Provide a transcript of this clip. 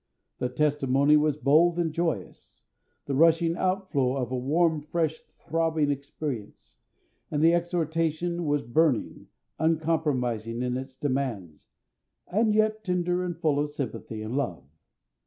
The testimony was bold and joyous, the rushing outflow of a warm, fresh throbbing experience; and the exhortation was burning, uncompromising in its demands, and yet tender and full of sympathy and love.